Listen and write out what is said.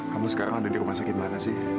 kamu sekarang ada di rumah sakit mana sih